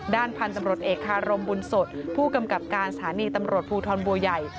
พันธุ์ตำรวจเอกคารมบุญสดผู้กำกับการสถานีตำรวจภูทรบัวใหญ่